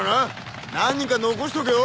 何人か残しとけよ。